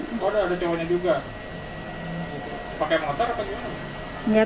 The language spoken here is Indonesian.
pokoknya ada cowoknya juga pakai motor atau gimana